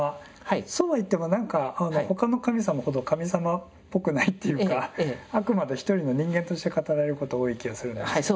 そうは言っても何か他の神様ほど神様っぽくないっていうかあくまで一人の人間として語られること多い気がするんですけど。